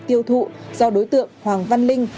tiêu thụ do đối tượng hoàng văn linh